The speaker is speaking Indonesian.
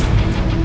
aku akan menang